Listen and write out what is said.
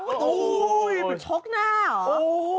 ชกหน้าเหรอโอ้โฮโอ้โฮ